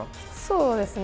そうですね。